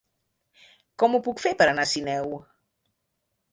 Com ho puc fer per anar a Sineu?